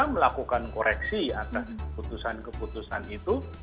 melakukan koreksi atas keputusan keputusan itu